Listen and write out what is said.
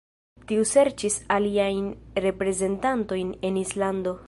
Tiu serĉis aliajn reprezentantojn en Islando.